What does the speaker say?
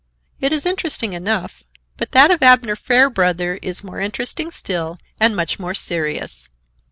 It is interesting enough, but that of Abner Fairbrother is more interesting still and much more serious.